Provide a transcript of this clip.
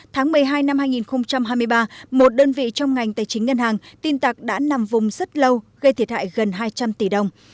tháng một mươi hai năm hai nghìn hai mươi ba một đơn vị trong ngành tài chính ngân hàng tin tặc đã nằm vùng rất lâu gây thiệt hại gần hai trăm linh tỷ đồng